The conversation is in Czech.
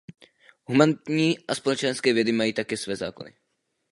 Humanitní a společenské vědy mají také své zákony.